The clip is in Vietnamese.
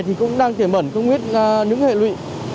thì cũng đang tiềm bẩn công nguyết những hệ lụy